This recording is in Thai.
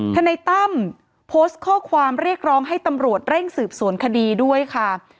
ทนายตั้มโพสต์ข้อความเรียกร้องให้ตำรวจเร่งสืบสวนคดีด้วยค่ะ